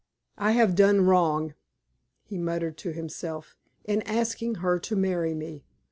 "I have done wrong," he muttered to himself, "in asking her to marry me.